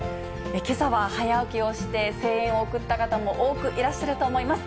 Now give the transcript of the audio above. けさは早起きをして、声援を送った方も多くいらっしゃると思います。